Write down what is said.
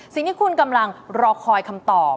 สิ่งที่คุณกำลังรอคอยคำตอบ